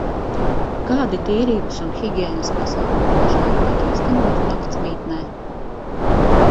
Kādi tīrības un higiēnas pasākumi pašlaik tiek īstenoti naktsmītnē?